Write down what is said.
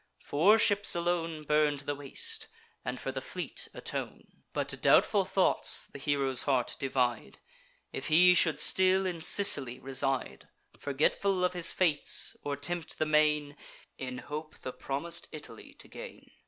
Four ships alone Burn to the waist, and for the fleet atone. But doubtful thoughts the hero's heart divide; If he should still in Sicily reside, Forgetful of his fates, or tempt the main, In hope the promis'd Italy to gain.